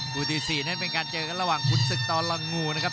คู่ที่๔นั้นเป็นการเจอกันระหว่างขุนศึกตอนลังงูนะครับ